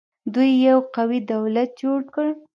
دوی یو قوي دولت جوړ کړ